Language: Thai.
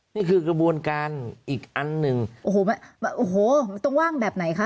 นี่คือกระบวนการอีกอันหนึ่งโอ้โหต้องว่างแบบไหนคะ